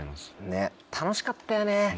ねっ楽しかったよね。